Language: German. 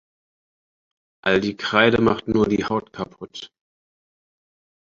All die Kreide macht nur die Haut kaputt.